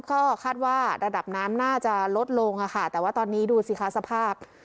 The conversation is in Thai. ก็คาดว่าระดับน้ำน่าจะลดลงค่ะแต่ว่าตอนนี้ดูสิคะสภาพ